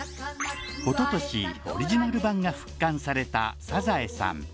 おととしオリジナル版が復刊された「サザエさん」